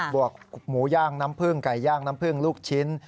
วกหมูย่างน้ำผึ้งไก่ย่างน้ำผึ้งลูกชิ้น